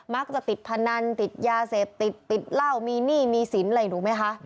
มักจะติดพนันติดยาเสพติดเหล้ามีหนี้มีสินอะไรอย่างนี้รู้ไหมคะ